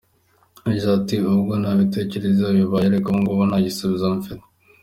Josee ati: “Ubwo nabitekerezaho bibaye ariko ubungubu nta gisubizo mfite.